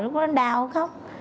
lúc đó đau khóc